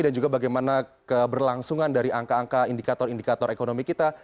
juga bagaimana keberlangsungan dari angka angka indikator indikator ekonomi kita